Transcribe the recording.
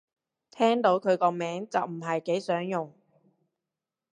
聽到佢個名就唔係幾想用